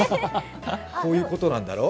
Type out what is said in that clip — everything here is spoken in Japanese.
こういうことなんだろう？